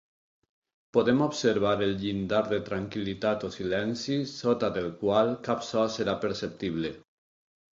Podem observar el llindar de tranquil·litat o silenci sota del qual cap so serà perceptible.